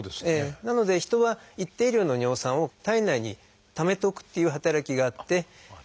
なので人は一定量の尿酸を体内にためとくっていう働きがあって。